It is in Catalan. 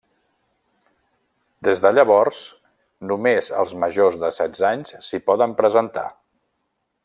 Des de llavors, només els majors de setze anys s'hi poden presentar.